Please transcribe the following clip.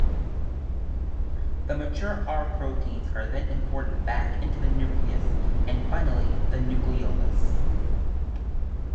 The mature r-proteins are then "imported" back into the nucleus and finally the nucleolus.